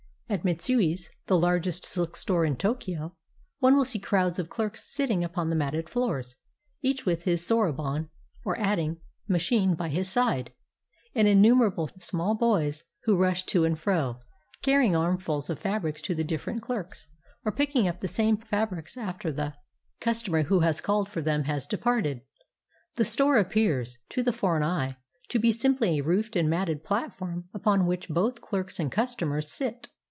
At Mitsui's, the largest silk store in Tokyo, one will see crowds of clerks sitting upon the matted floors, each with his soroban, or adding 400 HOW JAPANESE LADIES GO SHOPPING machine, by his side ; and innumerable small boys, who rush to and fro, carrying armfuls of fabrics to the differ ent clerks, or picking up the same fabrics after the cus tomer who has called for them has departed. The store appears, to the foreign eye, to be simply a roofed and matted platform upon which both clerks and customers sit.